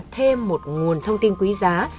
thêm một nguồn thông tin quý giá